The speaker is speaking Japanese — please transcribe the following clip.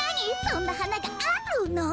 そんなはながあるの？